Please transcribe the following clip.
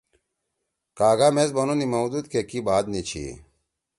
کاگا میز بنو نیمودود کے کی بات نیچھی